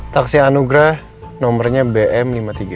taksi anugrah nomornya bm lima puluh tiga